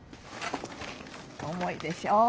重いでしょ。